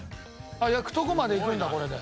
あっ焼くとこまでいくんだこれで。